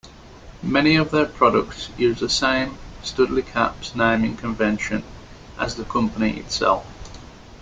Many of their products used the same StudlyCaps naming convention as the company itself.